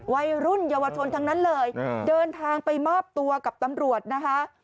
วัยรุ่นเยาวชนทั้งนั้นเลยเดินทางไปมอบตัวกับตำรวจนะคะ